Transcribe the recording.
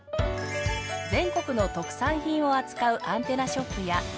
全国の特産品を扱うアンテナショップや。